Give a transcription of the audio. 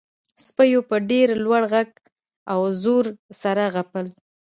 سپیو په ډیر لوړ غږ او زور سره غپل